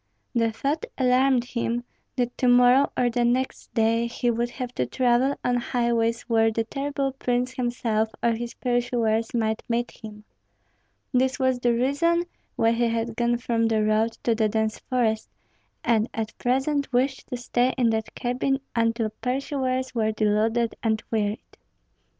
The thought alarmed him, that to morrow or the next day he would have to travel on highways where the terrible prince himself or his pursuers might meet him. This was the reason why he had gone from the road to the dense forest, and at present wished to stay in that cabin until pursuers were deluded and wearied.